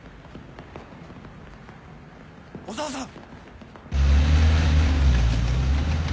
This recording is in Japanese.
小沢さん！